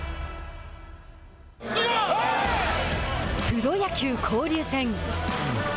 プロ野球交流戦。